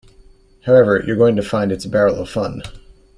However, you're going to find it a barrel of fun.